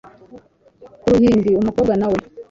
ku ruhimbi; umukobwa na we